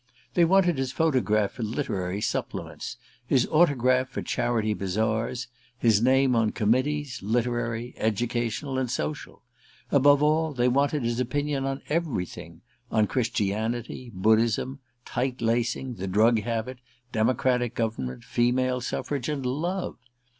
They wanted his photograph for literary supplements, his autograph for charity bazaars, his name on committees, literary, educational, and social; above all, they wanted his opinion on everything: on Christianity, Buddhism, tight lacing, the drug habit, democratic government, female suffrage and love.